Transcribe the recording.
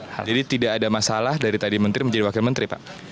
jadi tidak ada masalah dari tadi menteri menjadi wakil menteri pak